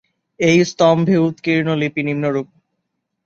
এই স্তম্ভে উৎকীর্ণ লিপি নিম্নরূপ-